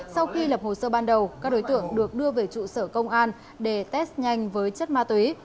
sau khi lập hồ sơ ban đầu các đối tượng được đưa về trụ sở công an để test nhanh với chất ma túy